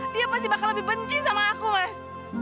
dia pasti bakal lebih benci sama aku mas